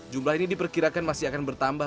jumlah ini diperkirakan masih akan bertambah